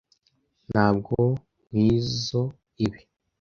Ntabwo nkwizoe ibi.